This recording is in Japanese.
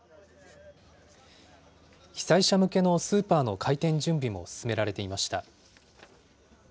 被災者向けのスーパーの開店準備も進められていました。